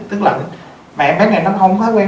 trời lạnh mẹ em bé này nó không có thói quen